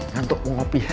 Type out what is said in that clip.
ngantuk mau kopi